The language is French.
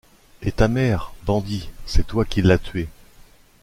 Et ta mère, bandit, c’est toi qui l’as tuée!